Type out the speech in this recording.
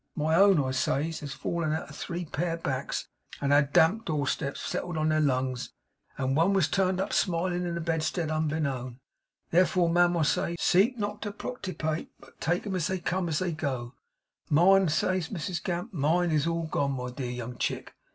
My own," I says, "has fallen out of three pair backs, and had damp doorsteps settled on their lungs, and one was turned up smilin' in a bedstead unbeknown. Therefore, ma'am," I says, "seek not to proticipate, but take 'em as they come and as they go." Mine,' says Mrs Gamp, 'mine is all gone, my dear young chick.